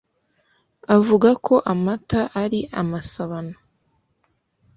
uvuga ko amata ari amasabano